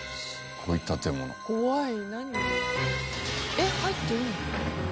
えっ入っていいの？